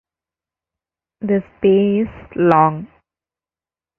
The Spey is long.